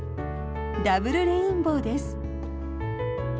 ダブルレインボーです。